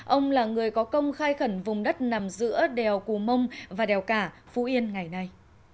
ông là người có công khai khẩn vùng đất nằm giữa đèo cù mông và đèo cả phú yên ngày nay